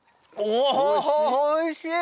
おいしい？